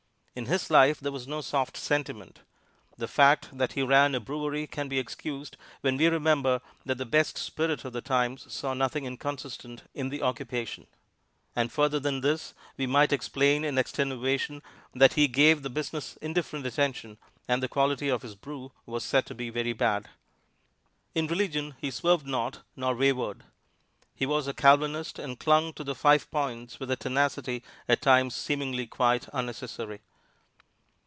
In his life there was no soft sentiment. The fact that he ran a brewery can be excused when we remember that the best spirit of the times saw nothing inconsistent in the occupation; and further than this we might explain in extenuation that he gave the business indifferent attention, and the quality of his brew was said to be very bad. In religion, he swerved not nor wavered. He was a Calvinist and clung to the five points with a tenacity at times seemingly quite unnecessary.